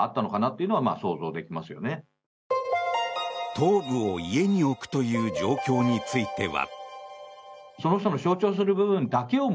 頭部を家に置くという状況については。